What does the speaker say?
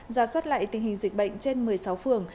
giả xuất lại tình hình dịch bệnh trên một mươi sáu phường